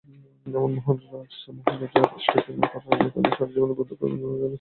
এবং মহান রাজা স্টেফান এবং তার রাণী তাদের সারাজীবনের বন্ধুকে অভ্যর্থনা জানান।